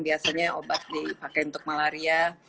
biasanya obat dipakai untuk malaria